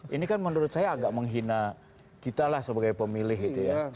ini kan menurut saya agak menghina kita lah sebagai pemilih gitu ya